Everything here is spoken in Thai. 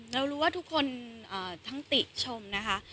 เรารู้ว่าทุกคนทั้งติชมนะคะ